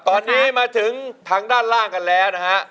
ตอนนี้มาถึงทางด้านล่างกันแล้วนะฮะ